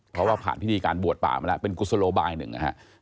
เพราะว่าผ่านพิธีการบวชป่ามาแล้วเป็นกุศโลบายหนึ่งนะฮะ